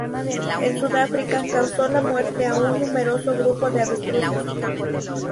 En Sudáfrica causó la muerte a un numeroso grupo de avestruces.